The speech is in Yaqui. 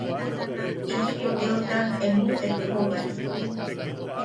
Ili eteota emou etejobae.